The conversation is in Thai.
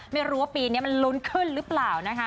ไม่รู้ว่าปีนี้มันลุ้นขึ้นหรือเปล่านะคะ